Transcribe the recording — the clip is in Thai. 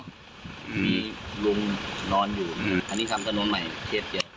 มีลุงนอนอยู่อันนี้ทำกระโน้นใหม่เชฟเจ็บ